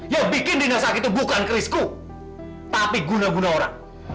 yang bikin rina sakit itu bukan kerisku tapi guna guna orang